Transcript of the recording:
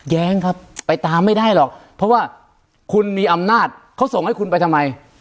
แย้งครับไปตามไม่ได้หรอกเพราะว่าคุณมีอำนาจเขาส่งให้คุณไปทำไม